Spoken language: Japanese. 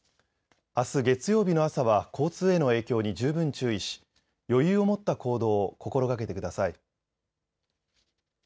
あす月曜日の朝は交通への影響に十分注意し余裕を持った行動を心がけてください。